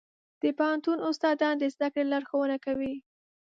د پوهنتون استادان د زده کړې لارښوونه کوي.